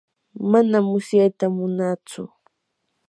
manam mutsyata munaatsu.